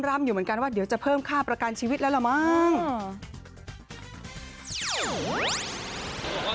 ร่ำอยู่เหมือนกันว่าเดี๋ยวจะเพิ่มค่าประกันชีวิตแล้วล่ะมั้ง